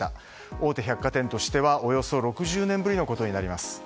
大手百貨店としてはおよそ６０年ぶりのことです。